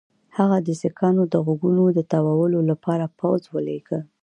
هغه د سیکهانو د غوږونو تاوولو لپاره پوځ ولېږه.